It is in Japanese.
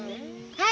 はい！